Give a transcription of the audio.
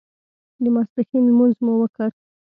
د ماسپښین لمونځ مو وکړ.